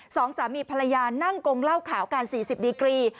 สองสามีภรรยานั่งกงเหล้าขาวกันสี่สิบดีกรี